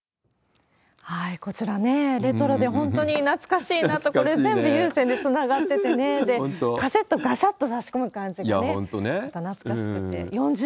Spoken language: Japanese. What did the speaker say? こちらね、レトロで本当に懐かしいなと、これ、全部有線でつながっててね、カセット、がしゃっと差し込む感じがまた懐かしくて。